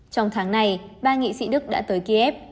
trong tháng này ba nghị sĩ đức đã tới kiev